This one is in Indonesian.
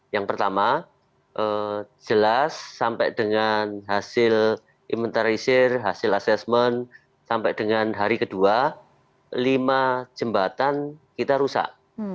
yang pertama jelas sampai dengan hasil imentarisir hasil asesmen sampai dengan hari kedua lima jembatan kita rusak